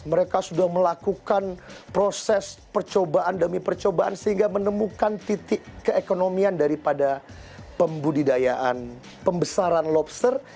mereka sudah melakukan proses percobaan demi percobaan sehingga menemukan titik keekonomian daripada pembudidayaan pembesaran lobster